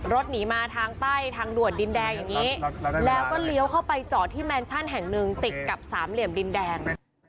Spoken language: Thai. รถหนีมาทางใต้ทางด่วนดินแดงอย่างนี้แล้วก็เลี้ยวเข้าไปจอดที่แมนชั่นแห่งหนึ่งติดกับสามเหลี่ยมดินแดง